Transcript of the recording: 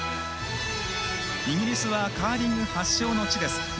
イギリスはカーリング発祥の地です。